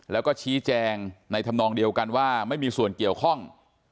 แล้วก็ชี้แจงในธรรมนองเดียวกันว่าไม่มีส่วนเกี่ยวข้อง